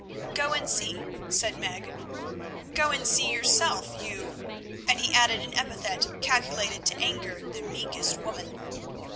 "Go and see," said Meg. "Go and see yourself, you——" and he added an epithet calculated to anger the meekest woman.